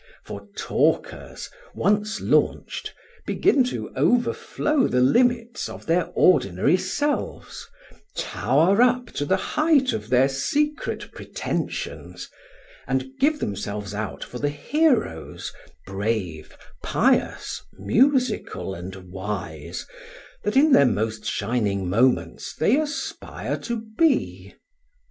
For talkers, once launched, begin to overflow the limits of their ordinary selves, tower up to the height of their secret pretensions, and give themselves out for the heroes, brave, pious, musical and wise, that in their most shining moments they aspire to be.